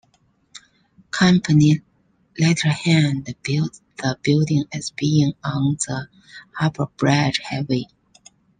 Company letterhead billed the building as being ...on the Harbour Bridge Highway.